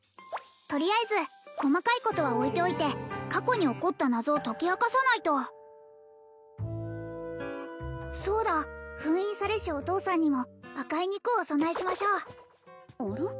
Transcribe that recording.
とりあえず細かいことは置いておいて過去に起こった謎を解き明かさないとそうだ封印されしお父さんにも赤い肉をお供えしましょうあら？